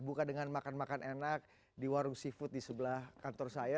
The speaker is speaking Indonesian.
buka dengan makan makan enak di warung seafood di sebelah kantor saya